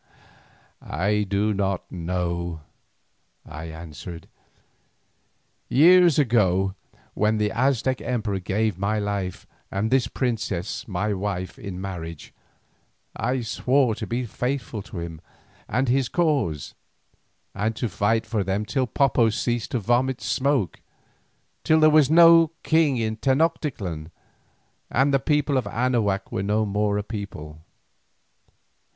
"I do not know," I answered. "Years ago, when the Aztec emperor gave me my life and this princess my wife in marriage, I swore to be faithful to him and his cause, and to fight for them till Popo ceased to vomit smoke, till there was no king in Tenoctitlan, and the people of Anahuac were no more a people."